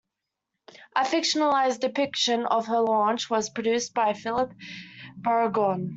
A fictionalised depiction of her launch was produced by Philip Burgoyne.